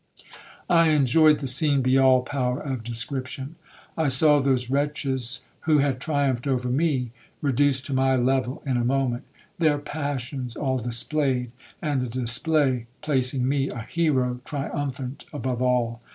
I enjoyed the scene beyond all power of description. I saw those wretches, who had triumphed over me, reduced to my level in a moment,—their passions all displayed, and the display placing me a hero triumphant above all.